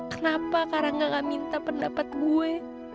kenapa karena gak minta pendapat gue